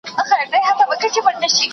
¬ څه ژرنده پڅه وه، څه غنم لانده وه.